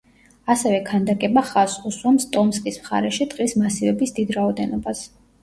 ასევე ქანდაკება ხაზს უსვამს ტომსკის მხარეში ტყის მასივების დიდ რაოდენობას.